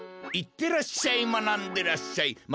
いってらっしゃいまなんでらっしゃい。